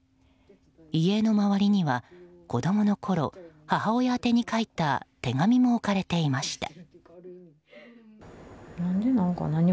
遺影の周りには子供のころ母親宛てに書いた手紙も置かれていました。